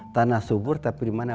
tanah subur tapi di mana